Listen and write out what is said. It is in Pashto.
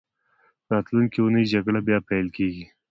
راتلونکې اونۍ جګړه بیا پیلېږي.